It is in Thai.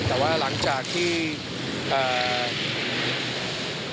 แต่ว่าหลังจากที่เอ่อ